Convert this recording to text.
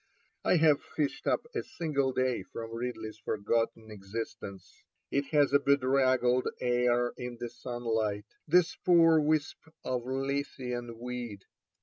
I have fished up a single day from Ridley's forgotten existence. It has a bedraggled air in the sunlight, this poor wisp of Lethean weed.